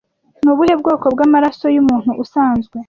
Ni ubuhe bwoko bwamaraso yumuntu usanzwe